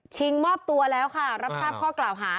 มอบตัวแล้วค่ะรับทราบข้อกล่าวหา